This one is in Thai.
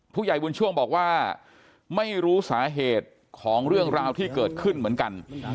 ผู้ใหญ่บุญช่วงบอกว่าไม่รู้สาเหตุของเรื่องราวที่เกิดขึ้นเหมือนกัน